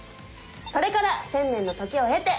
それから１０００年の時を経て！